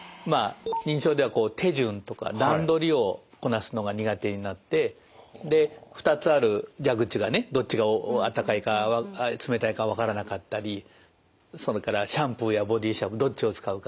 認知症では手順とか段取りをこなすのが苦手になってで２つある蛇口がねどっちがあったかいか冷たいかわからなかったりそれからシャンプーやボディーシャンプーどっちを使うかとか。